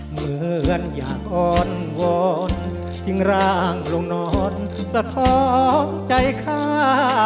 เหมือนอยากอ่อนวอนทิ้งร่างลงนอนสะท้อนใจฆ่า